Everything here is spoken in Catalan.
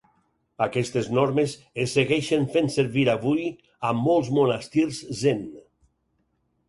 Aquestes normes es segueixen fent servir avui a molts monastirs Zen.